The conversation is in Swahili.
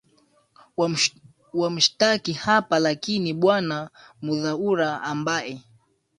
wamshtaki hapa lakini bwana muthaura ambaye